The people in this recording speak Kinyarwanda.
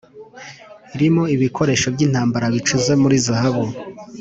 irimo ibikoresho by'intambara bicuze muri zahabu